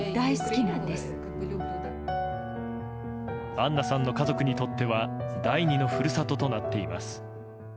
アンナさんの家族にとっては第２の故郷となっています。